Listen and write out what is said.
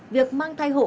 việc mang thai hộ